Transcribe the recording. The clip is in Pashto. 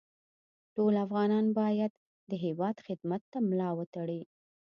ټول افغانان باید د هېواد خدمت ته ملا وتړي